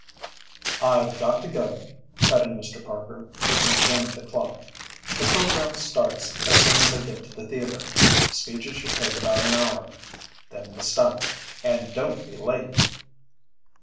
"I've got to go," cut in Mr. Parker, looking again at the clock. "The program starts as soon as I get to the theater. Speeches should take about an hour. Then the stunt. And don't be late!"